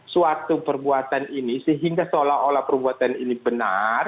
suatu perbuatan ini sehingga seolah olah perbuatan ini benar